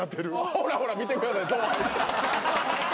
ほらほら見てください。